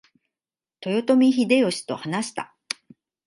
豊臣秀吉と話した。